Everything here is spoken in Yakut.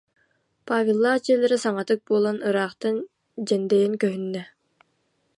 Павеллаах дьиэлэрэ саҥатык буолан ыраахтан дьэндэйэн көһүннэ